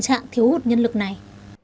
các tình trạng thiếu hụt nhân lực này